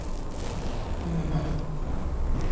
５年前と。